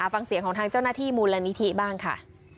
ฟังเสียงของทางเจ้าหน้าที่มูลนิธิบ้างค่ะ